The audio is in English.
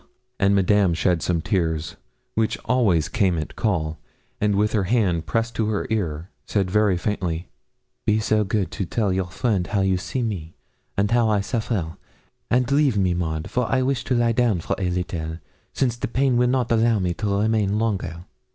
And Madame shed some tears, which always came at call, and with her hand pressed to her ear, said very faintly, 'Be so good to tell your friend how you see me, and how I suffer, and leave me, Maud, for I wish to lie down for a little, since the pain will not allow me to remain longer.'